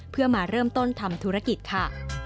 เพื่อมาเริ่มต้นทำธุรกิจค่ะ